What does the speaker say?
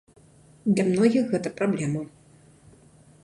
Для многіх гэта праблема.